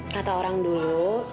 kata orang dulu